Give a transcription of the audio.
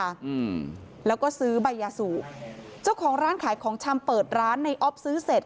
อืมแล้วก็ซื้อใบยาสูบเจ้าของร้านขายของชำเปิดร้านในออฟซื้อเสร็จ